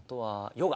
ヨガ。